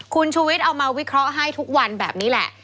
คุณชูวิทย์เอามาวิเคราะห์ให้ทุกวันแบบนี้แหละ